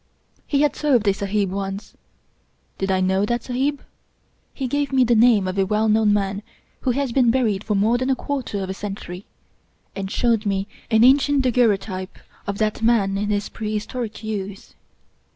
He had served a Sahib once. Did I know that Sahib ? He gave me the name of a well known man who has been buried for more than a quarter of a century, and showed me an ancient daguerreotype of that man in his prehistoric youth.